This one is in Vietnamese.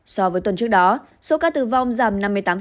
so với tuần trước đó số ca tử vong giảm năm mươi tám